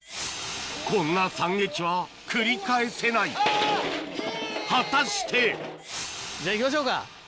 こんな惨劇は繰り返せない果たして⁉じゃあいきましょうか。